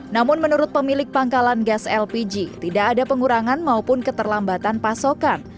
namun menurut pemilik pangkalan gas lpg tidak ada pengurangan maupun keterlambatan pasokan